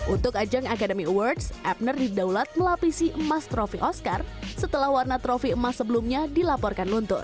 untuk ajang academy awards epner didaulat melapisi emas trofi oscar setelah warna trofi emas sebelumnya dilaporkan luntur